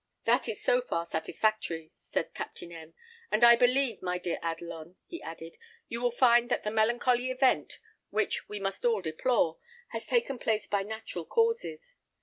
"That is so far satisfactory," said Captain M ; "and I believe, my dear Adelon," he added, "you will find that the melancholy event, which we must all deplore, has taken place by natural causes.